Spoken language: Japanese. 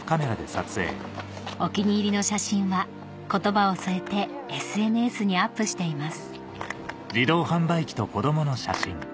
お気に入りの写真は言葉を添えてＳＮＳにアップしています